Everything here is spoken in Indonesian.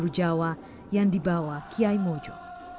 pulau jawa yang dibawa kiai mojo